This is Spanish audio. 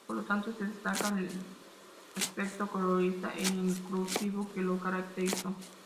Por lo tanto, se destaca el aspecto colorista e inclusivo que lo caracterizó.